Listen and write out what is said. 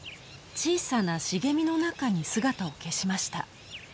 小さな茂みの中に姿を消しました。